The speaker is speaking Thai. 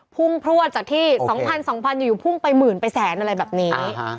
พุ่งพลวดจากที่๒๐๐๒๐๐อยู่พุ่งไปหมื่นไปแสนอะไรแบบนี้